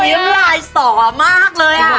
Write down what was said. อร่อยแต่นี่หลายสอมากเลยอ่ะ